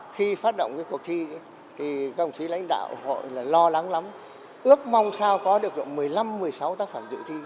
khi phát động cuộc thi công sĩ lãnh đạo lo lắng lắm ước mong sao có được một mươi năm một mươi sáu tác phẩm dự thi